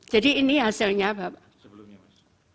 jadi ini hasilnya bapak